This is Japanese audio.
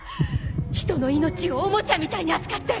人の命をおもちゃみたいに扱って。